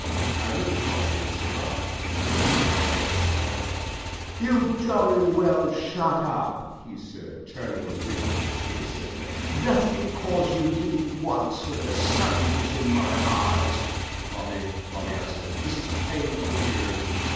I looked at Bobby in surprise and then shook my head sadly. "You jolly well shut up," he said, turning indignantly to his sister. "Just because you did it once when the sun was in my eyes " "Bobby, Bobby," I said, "this is painful hearing.